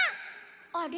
あれ？